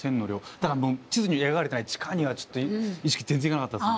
だからもう地図に描かれてない地下にはちょっと意識全然いかなかったっすね。